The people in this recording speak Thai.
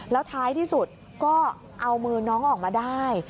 แล้วท้ายที่สุดก็เอามือน้องออกมาได้